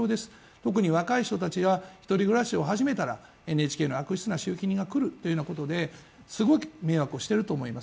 特に若い人たちは、１人暮らしを始めたら、ＮＨＫの悪質な集金がくるとすごく迷惑していると思います。